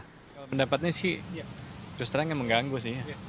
kalau pendapatnya sih terus terang yang mengganggu sih